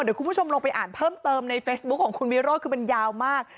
เดี๋ยวคุณผู้ชมลงไปอ่านเพิ่มเติมในเฟซบุ๊คของคุณวิโรธคือมันยาวมาก